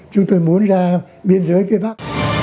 chúng tôi muốn ra biên giới kia phát